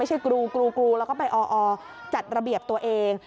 ครูกรูแล้วก็ไปออจัดระเบียบตัวเอง